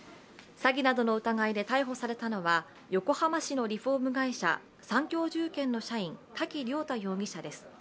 詐欺などの疑いで逮捕されたのは横浜市のリフォーム会社三共住建の社員滝良太容疑者です。